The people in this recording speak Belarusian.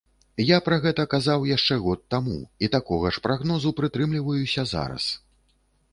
Я пра гэта казаў яшчэ год таму, і такога ж прагнозу прытрымліваюся зараз.